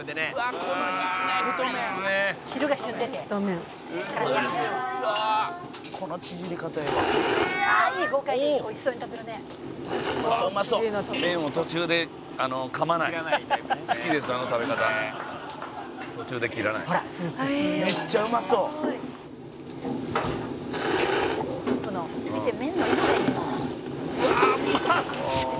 「うわーうまそう！」